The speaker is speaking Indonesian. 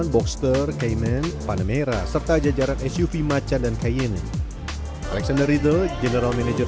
sembilan ratus sebelas boxster cayman panamera serta jajaran suv macan dan cayenne alexander riddle general manager